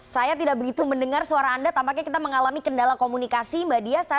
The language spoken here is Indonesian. saya tidak begitu mendengar suara anda tampaknya kita mengalami kendala komunikasi mbak dias